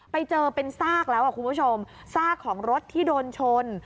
ไปเจอเป็นซากแล้วคุณผู้ชมซากของรถที่โดนชน